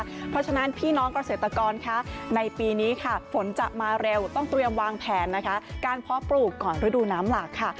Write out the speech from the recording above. เพราะฉะนั้นพี่น้องเกษตรกรค่ะในปีนี้ค่ะฝนจะมาเร็วต้องเตรียมวางแผนนะคะการเพาะปลูกก่อนฤดูน้ำหลากค่ะ